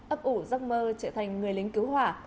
ấp ủ giấc mơ trở thành người lính cứu hỏa